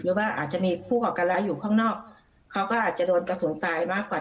หรือว่าอาจจะมีผู้ก่อการร้ายอยู่ข้างนอกเขาก็อาจจะโดนกระสุนตายมากกว่า